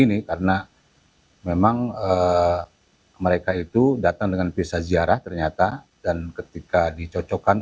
ini karena memang mereka itu datang dengan visa ziarah ternyata dan ketika dicocokkan